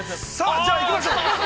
◆じゃあ行きましょう。